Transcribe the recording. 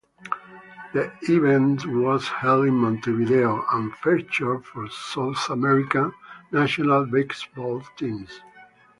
The event was held in Montevideo and featured four South American national basketball teams.